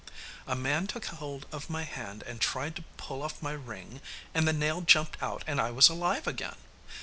'A man took hold of my hand and tried to pull off my ring, and the nail jumped out and I was alive again.